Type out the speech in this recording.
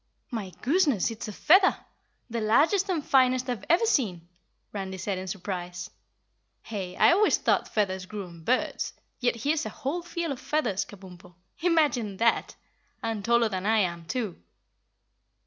"My gooseness, it's a feather! The largest and finest I've ever seen," Randy said in surprise. "Hey, I always thought feathers grew on birds, yet here's a whole field of feathers, Kabumpo imagine that! And taller than I am, too."